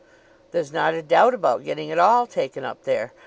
"There's not a doubt about getting it all taken up there.